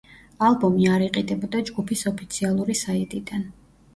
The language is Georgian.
ალბომი არ იყიდებოდა ჯგუფის ოფიციალური საიტიდან.